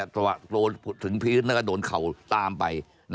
แต่ว่าโดนถึงพื้นแล้วก็โดนเข่าตามไป